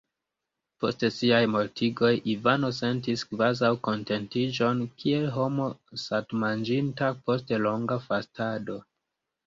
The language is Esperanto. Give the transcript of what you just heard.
Post siaj mortigoj Ivano sentis kvazaŭ kontentiĝon, kiel homo satmanĝinta post longa fastado.